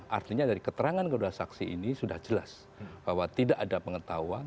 artinya dari keterangan kedua saksi ini sudah jelas bahwa tidak ada pengetahuan